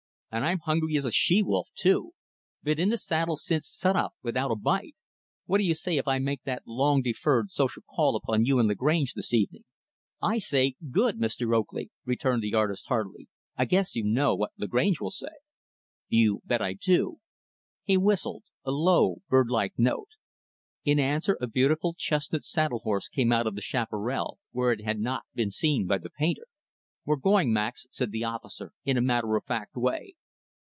And I'm hungry as a she wolf too! Been in the saddle since sunup without a bite. What do you say if I make that long deferred social call upon you and Lagrange this evening?" "I say, good! Mr. Oakley," returned the artist, heartily. "I guess you know what Lagrange will say." "You bet I do." He whistled a low, birdlike note. In answer, a beautiful, chestnut saddle horse came out of the chaparral, where it had not been seen by the painter. "We're going, Max," said the officer, in a matter of fact way.